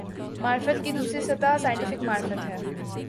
معرفت کی دوسری سطح "سائنٹیفک معرفت" ہے۔